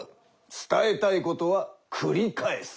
伝えたいことはくり返す。